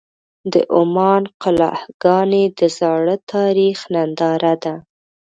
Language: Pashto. د عمان قلعهګانې د زاړه تاریخ ننداره ده.